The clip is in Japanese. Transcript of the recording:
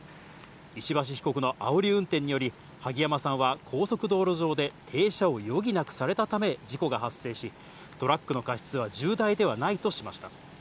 石橋被告のあおり運転により萩山さんは高速道路上で停車を余儀なくされたため、事故が発生し、トラックの過失は重大ではないとしました。